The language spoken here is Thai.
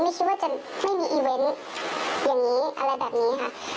ไม่คิดว่าจะให้มีอีเวนต์อย่างนี้อะไรแบบนี้ค่ะ